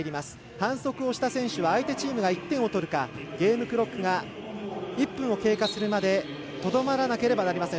反則をした選手は相手チームが１点を取るかゲームクロックが１分を経過するまでとどまらなければなりません。